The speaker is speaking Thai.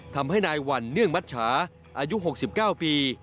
ทำให้นายวันเนื่องมัชชาอายุ๖๙ปี